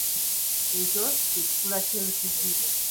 Ekyo kye kikula ky’ensujju.